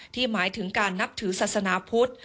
หมายถึงการนับถือศาสนาพุทธ